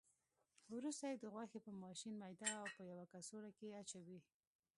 وروسته یې د غوښې په ماشین میده او په یوه کڅوړه کې اچوي.